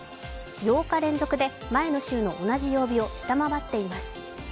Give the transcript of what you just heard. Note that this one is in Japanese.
８日連続で前の週の同じ曜日を下回っています。